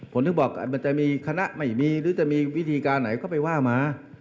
ผมถึงบอกมันจะมีคณะไม่มีหรือจะมีวิธีการไหนก็ไปว่ามา